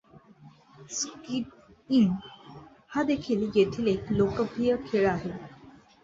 Skiing हा देखील येथील एक लोकप्रिय खेळ आहे.